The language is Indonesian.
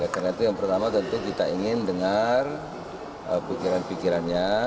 karena itu yang pertama tentu kita ingin dengar pikiran pikirannya